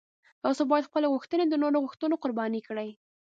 تاسو باید خپلې غوښتنې د نورو له غوښتنو قرباني کړئ.